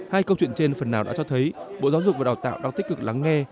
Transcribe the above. hai câu chuyện trên phần nào đã cho thấy bộ giáo dục và đào tạo đang tích cực lắng nghe